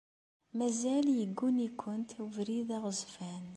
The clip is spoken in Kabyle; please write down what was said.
Mazal yegguni-kent ubrid d aɣezfan.